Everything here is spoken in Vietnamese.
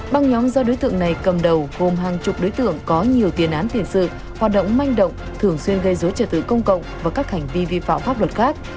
băng nhóm do đối tượng này cầm đầu gồm hàng chục đối tượng có nhiều tiền án tiền sự hoạt động manh động thường xuyên gây dối trật tự công cộng và các hành vi vi phạm pháp luật khác